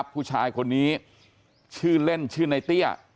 ผู้ชายคนนี้ชื่อเล่นชื่อในเตี้ย